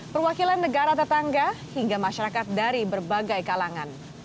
perwakilan negara tetangga hingga masyarakat dari berbagai kalangan